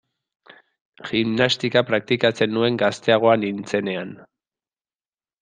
Gimnastika praktikatzen nuen gazteago nintzenean.